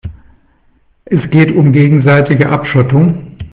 Es geht um gegenseitige Abschottung.